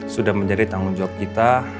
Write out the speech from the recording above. sudah menjadi tanggung jawab kita